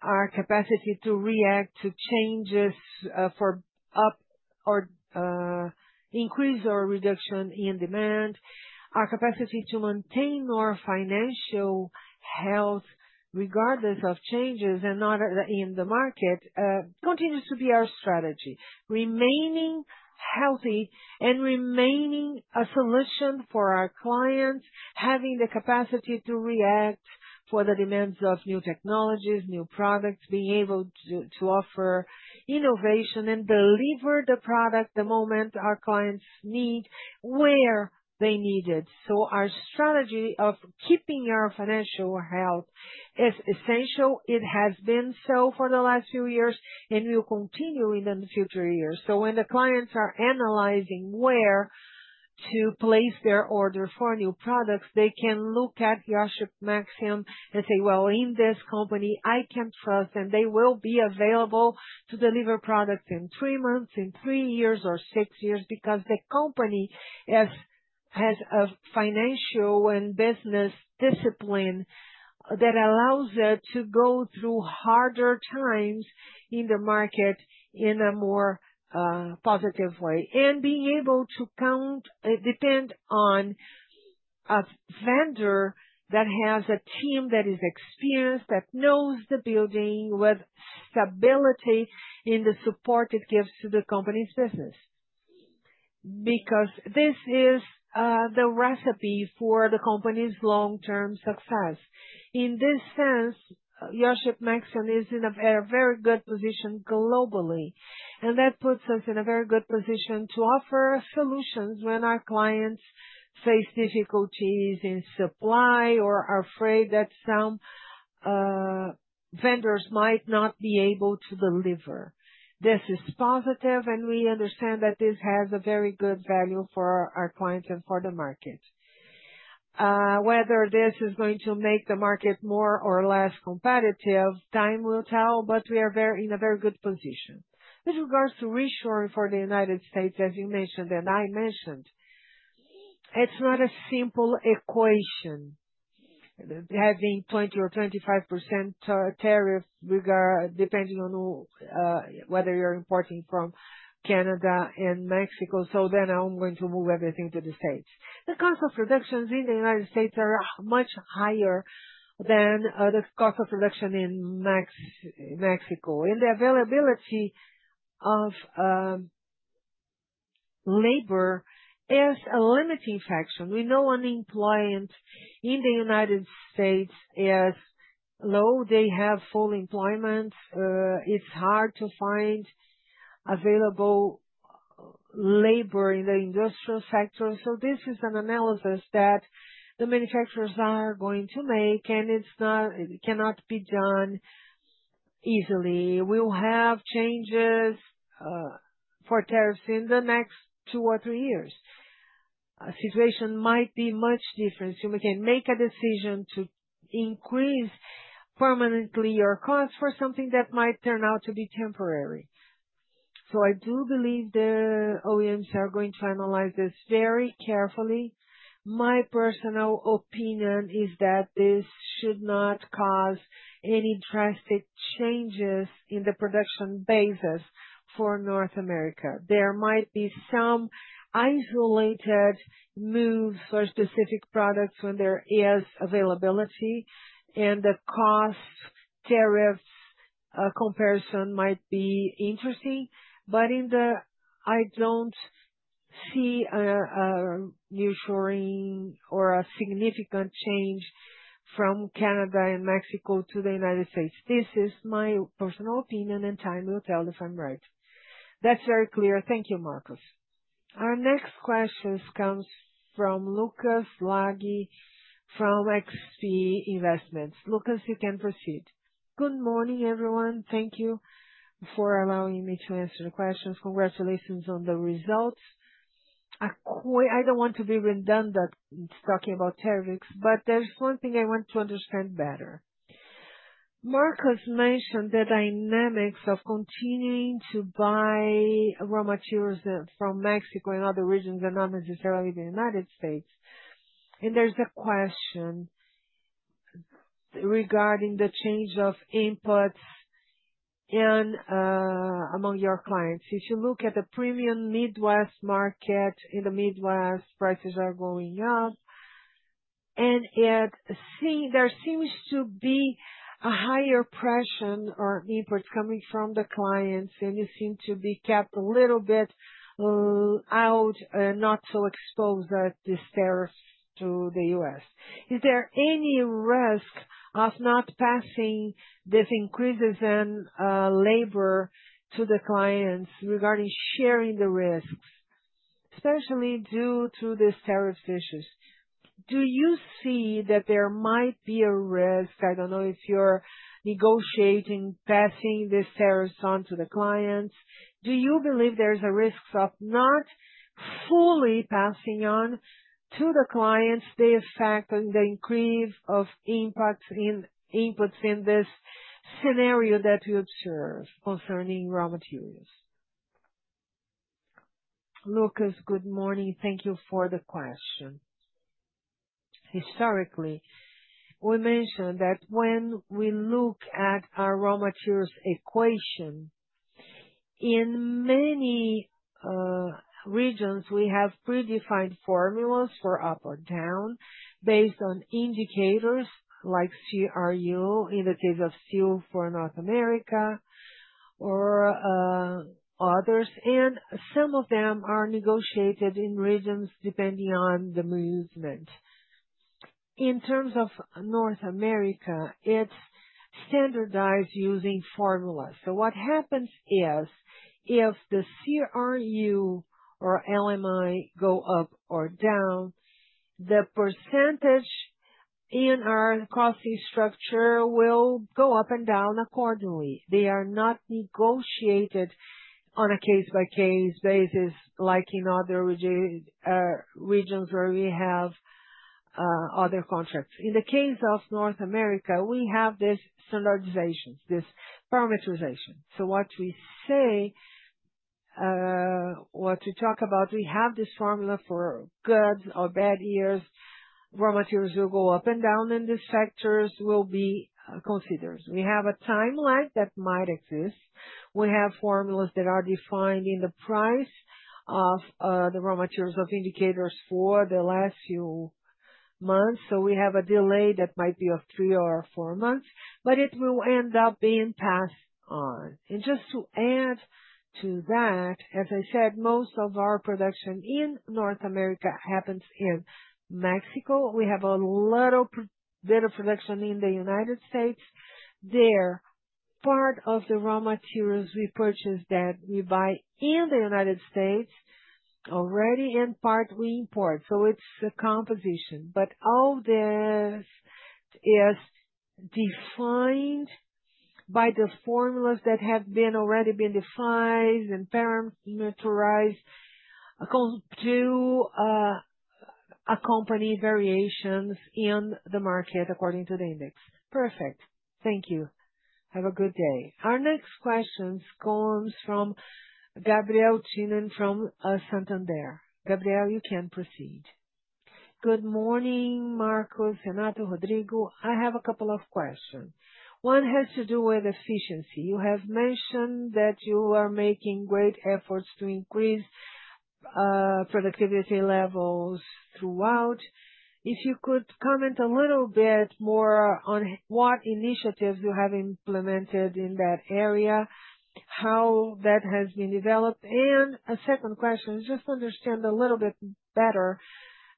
our capacity to react to changes for up or increase or reduction in demand, our capacity to maintain our financial health regardless of changes and not in the market continues to be our strategy. Remaining healthy and remaining a solution for our clients, having the capacity to react for the demands of new technologies, new products, being able to offer innovation and deliver the product the moment our clients need where they need it. So our strategy of keeping our financial health is essential. It has been so for the last few years and will continue in the future years. When the clients are analyzing where to place their order for new products, they can look at Iochpe-Maxion and say, "Well, in this company, I can trust, and they will be available to deliver products in three months, in three years, or six years because the company has a financial and business discipline that allows it to go through harder times in the market in a more positive way." Being able to depend on a vendor that has a team that is experienced, that knows the business with stability in the support it gives to the company's business because this is the recipe for the company's long-term success. In this sense, Iochpe-Maxion is in a very good position globally, and that puts us in a very good position to offer solutions when our clients face difficulties in supply or are afraid that some vendors might not be able to deliver. This is positive, and we understand that this has a very good value for our clients and for the market. Whether this is going to make the market more or less competitive, time will tell, but we are in a very good position. With regards to reshoring for the United States, as you mentioned and I mentioned, it's not a simple equation having 20% or 25% tariff depending on whether you're importing from Canada and Mexico. So then I'm going to move everything to the States. The cost of production in the United States is much higher than the cost of production in Mexico. And the availability of labor is a limiting factor. We know unemployment in the United States is low. They have full employment. It's hard to find available labor in the industrial sector. So this is an analysis that the manufacturers are going to make, and it cannot be done easily. We will have changes for tariffs in the next two or three years. The situation might be much different. You can make a decision to increase permanently your cost for something that might turn out to be temporary. So I do believe the OEMs are going to analyze this very carefully. My personal opinion is that this should not cause any drastic changes in the production basis for North America. There might be some isolated moves for specific products when there is availability, and the cost tariffs comparison might be interesting. But I don't see a reshoring or a significant change from Canada and Mexico to the United States. This is my personal opinion, and time will tell if I'm right. That's very clear. Thank you, Marcos. Our next question comes from Lucas Laghi from XP Investments. Lucas, you can proceed. Good morning, everyone. Thank you for allowing me to answer the questions. Congratulations on the results. I don't want to be redundant talking about tariffs, but there's one thing I want to understand better. Marcos mentioned the dynamics of continuing to buy raw materials from Mexico and other regions and not necessarily the United States. There's a question regarding the change of inputs among your clients. If you look at the premium Midwest market in the Midwest, prices are going up, and there seems to be a higher pressure or inputs coming from the clients, and you seem to be kept a little bit out, not so exposed to these tariffs to the U.S. Is there any risk of not passing these increases in labor to the clients regarding sharing the risks, especially due to these tariff issues? Do you see that there might be a risk? I don't know if you're negotiating passing these tariffs on to the clients. Do you believe there's a risk of not fully passing on to the clients the effect of the increase of inputs in this scenario that we observe concerning raw materials? Lucas, good morning. Thank you for the question. Historically, we mentioned that when we look at our raw materials equation, in many regions, we have predefined formulas for up or down based on indicators like CRU in the case of steel for North America or others, and some of them are negotiated in regions depending on the movement. In terms of North America, it's standardized using formulas, so what happens is if the CRU or LME go up or down, the percentage in our costing structure will go up and down accordingly. They are not negotiated on a case-by-case basis like in other regions where we have other contracts. In the case of North America, we have these standardizations, this parameterization, so what we say, what we talk about, we have this formula for good or bad years. Raw materials will go up and down, and these factors will be considered. We have a timeline that might exist. We have formulas that are defined in the price of the raw materials of indicators for the last few months. So we have a delay that might be of three or four months, but it will end up being passed on. And just to add to that, as I said, most of our production in North America happens in Mexico. We have a little bit of production in the United States. Part of the raw materials we purchase that we buy in the United States already and part we import. So it's a composition. But all this is defined by the formulas that have already been defined and parameterized to accompany variations in the market according to the index. Perfect. Thank you. Have a good day. Our next question comes from Gabriel Cino from Santander. Gabriel, you can proceed. Good morning, Marcos and Rodrigo. I have a couple of questions. One has to do with efficiency. You have mentioned that you are making great efforts to increase productivity levels throughout. If you could comment a little bit more on what initiatives you have implemented in that area, how that has been developed. And a second question is just to understand a little bit better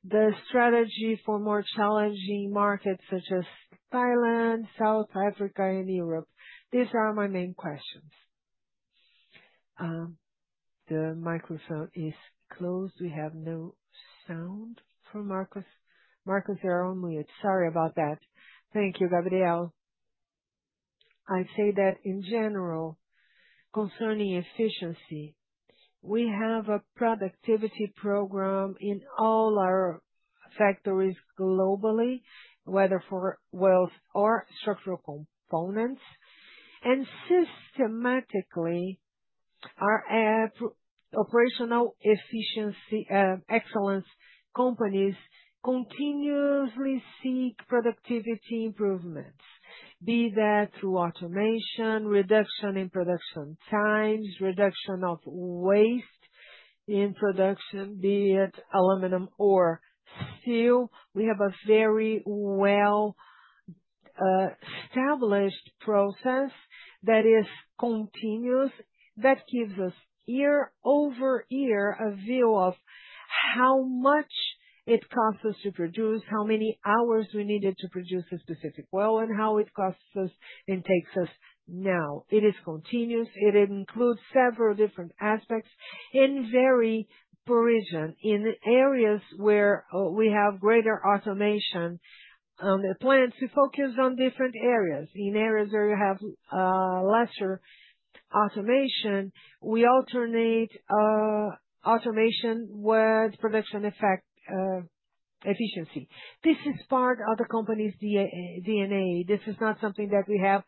the strategy for more challenging markets such as Thailand, South Africa, and Europe. These are my main questions. The microphone is closed. We have no sound from Marcos. Marcos, you're on mute. Sorry about that. Thank you, Gabriel. I'd say that in general, concerning efficiency, we have a productivity program in all our factories globally, whether for wheels or structural components. And systematically, our operational efficiency excellence companies continuously seek productivity improvements, be that through automation, reduction in production times, reduction of waste in production, be it aluminum or steel. We have a very well-established process that is continuous that gives us year over year a view of how much it costs us to produce, how many hours we needed to produce a specific wheel, and how it costs us and takes us now. It is continuous. It includes several different aspects in varying degrees in areas where we have greater automation on the plants to focus on different areas. In areas where you have lesser automation, we alternate automation with production efficiency. This is part of the company's DNA. This is not something that we have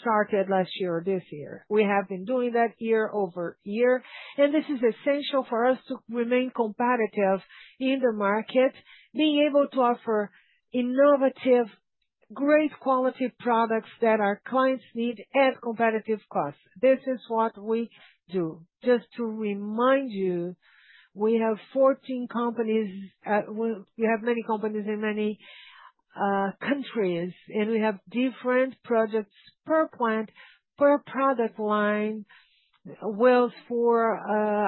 started last year or this year. We have been doing that year over year. And this is essential for us to remain competitive in the market, being able to offer innovative, great quality products that our clients need at competitive costs. This is what we do. Just to remind you, we have 14 plants. We have many plants in many countries, and we have different projects per plant, per product line, wheels for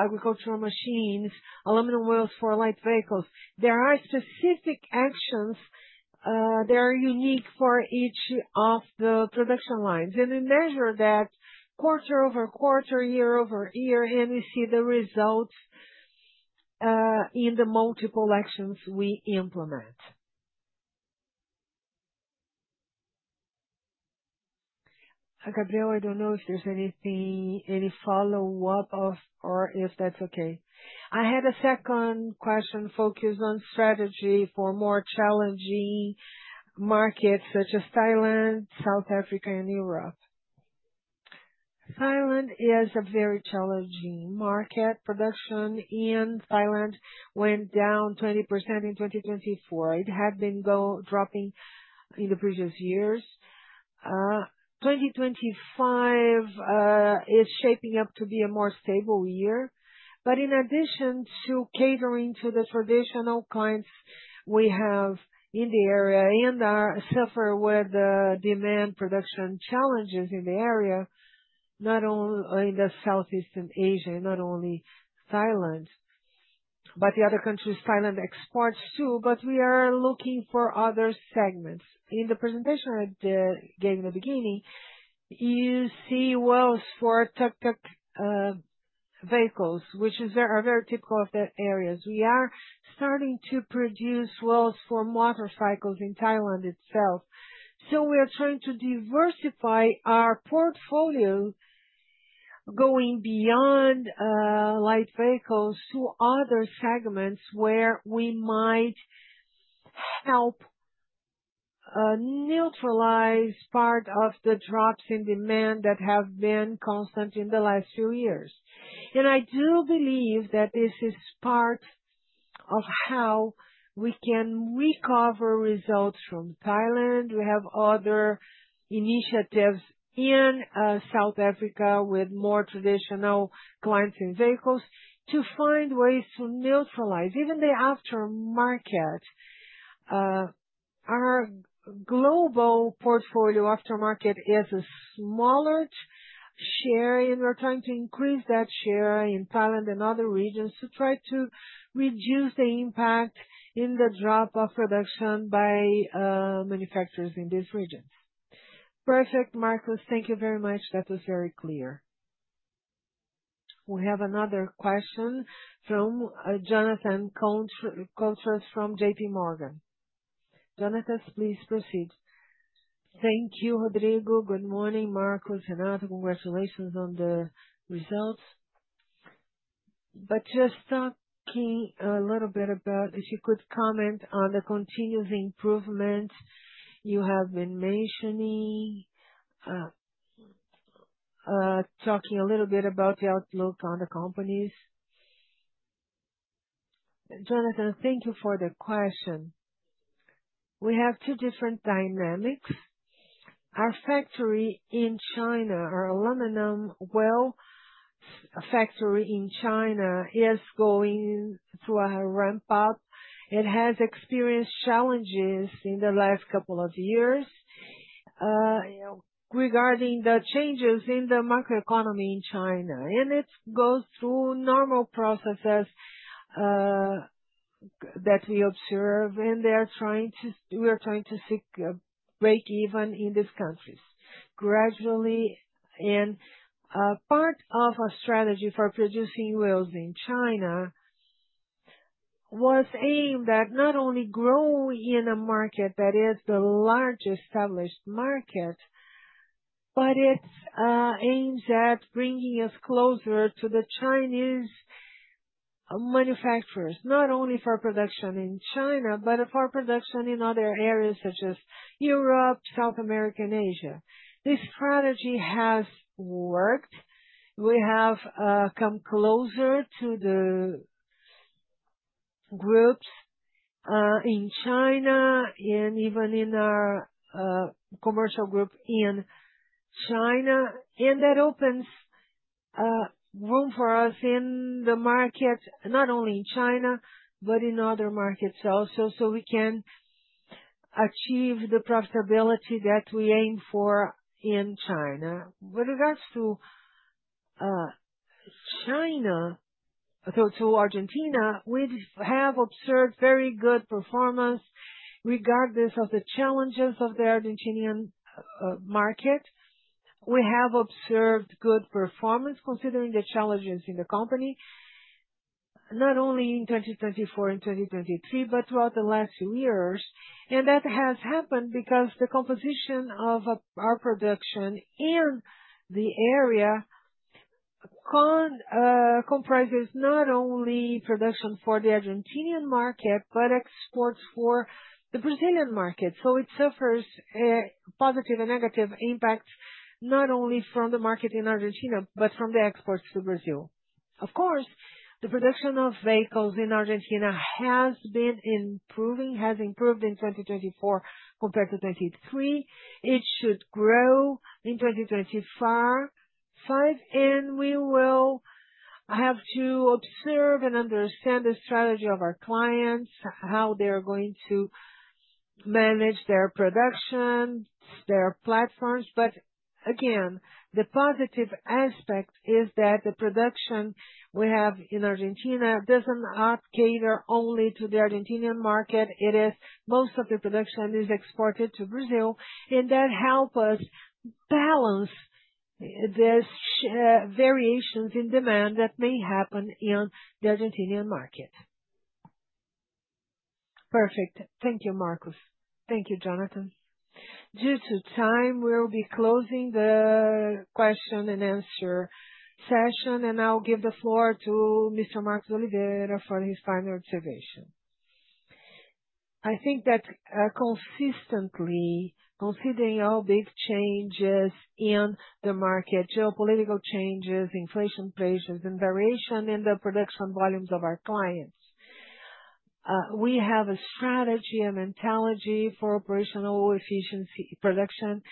agricultural machines, aluminum wheels for light vehicles. There are specific actions that are unique for each of the production lines. And we measure that quarter over quarter, year over year, and we see the results in the multiple actions we implement. Gabriel, I don't know if there's any follow-up or if that's okay. I had a second question focused on strategy for more challenging markets such as Thailand, South Africa, and Europe. Thailand is a very challenging market. Production in Thailand went down 20% in 2024. It had been dropping in the previous years. 2025 is shaping up to be a more stable year. But in addition to catering to the traditional clients we have in the area and suffer with demand production challenges in the area, not only in Southeast Asia and not only Thailand, but the other countries, Thailand exports too, but we are looking for other segments. In the presentation I gave in the beginning, you see wheels for tuk-tuk vehicles, which are very typical of the area. We are starting to produce wheels for motorcycles in Thailand itself. So we are trying to diversify our portfolio going beyond light vehicles to other segments where we might help neutralize part of the drops in demand that have been constant in the last few years. And I do believe that this is part of how we can recover results from Thailand. We have other initiatives in South Africa with more traditional clients and vehicles to find ways to neutralize, even the aftermarket. Our global portfolio aftermarket is a smaller share, and we're trying to increase that share in Thailand and other regions to try to reduce the impact in the drop of production by manufacturers in these regions. Perfect, Marcos. Thank you very much. That was very clear. We have another question from Jonathan Koutras from J.P. Morgan. Jonathan, please proceed. Thank you, Rodrigo. Good morning, Marcos and also congratulations on the results. But just talking a little bit about if you could comment on the continuous improvements you have been mentioning, talking a little bit about the outlook on the companies. Jonathan, thank you for the question. We have two different dynamics. Our factory in China, our aluminum wheel factory in China, is going through a ramp-up. It has experienced challenges in the last couple of years regarding the changes in the macroeconomy in China. It goes through normal processes that we observe, and we are trying to seek a break-even in these countries gradually. Part of our strategy for producing wheels in China was aimed at not only growing in a market that is the largest established market, but it's aimed at bringing us closer to the Chinese manufacturers, not only for production in China, but for production in other areas such as Europe, South America, and Asia. This strategy has worked. We have come closer to the groups in China and even in our commercial group in China. That opens room for us in the market, not only in China, but in other markets also, so we can achieve the profitability that we aim for in China. With regards to China and Argentina, we have observed very good performance regardless of the challenges of the Argentine market. We have observed good performance considering the challenges in the company, not only in 2024 and 2023, but throughout the last few years. And that has happened because the composition of our production in the area comprises not only production for the Argentinian market, but exports for the Brazilian market. So it suffers a positive and negative impact not only from the market in Argentina, but from the exports to Brazil. Of course, the production of vehicles in Argentina has been improving, has improved in 2024 compared to 2023. It should grow in 2025. And we will have to observe and understand the strategy of our clients, how they are going to manage their production, their platforms. But again, the positive aspect is that the production we have in Argentina does not cater only to the Argentinian market. Most of the production is exported to Brazil. And that helps us balance these variations in demand that may happen in the Argentinian market. Perfect. Thank you, Marcos. Thank you, Jonathan. Due to time, we'll be closing the question and answer session, and I'll give the floor to Mr. Marcos Oliveira for his final observation. I think that consistently, considering all big changes in the market, geopolitical changes, inflation pressures, and variation in the production volumes of our clients, we have a strategy and mentality for operational efficiency production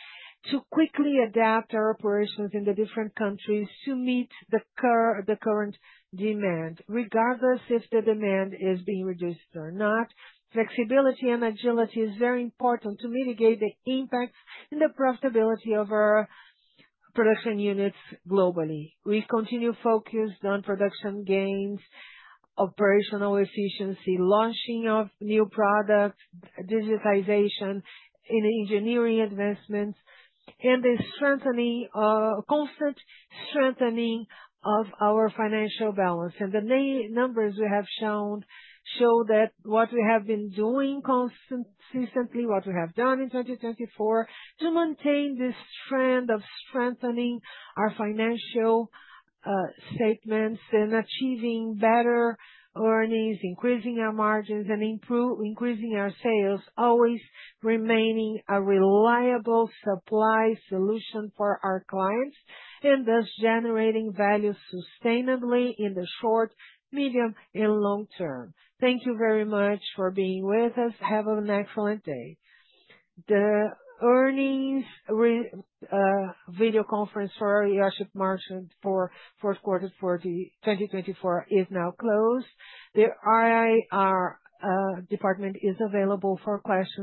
to quickly adapt our operations in the different countries to meet the current demand, regardless if the demand is being reduced or not. Flexibility and agility are very important to mitigate the impacts in the profitability of our production units globally. We continue focused on production gains, operational efficiency, launching of new products, digitization, and engineering advancements, and the constant strengthening of our financial balance. The numbers we have shown show that what we have been doing consistently, what we have done in 2024, to maintain this trend of strengthening our financial statements and achieving better earnings, increasing our margins, and increasing our sales, always remaining a reliable supply solution for our clients, and thus generating value sustainably in the short, medium, and long term. Thank you very much for being with us. Have an excellent day. The earnings video conference for Iochpe-Maxion for fourth quarter 2024 is now closed. The IR department is available for questions.